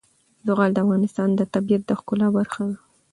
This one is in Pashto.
زغال د افغانستان د طبیعت د ښکلا برخه ده.